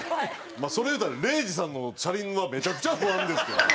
まあそれを言うたら礼二さんの車輪はめちゃくちゃ不安ですけどね。